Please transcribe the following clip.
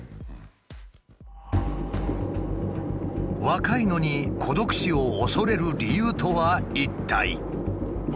若いのに孤独死を恐れる理由とは一体？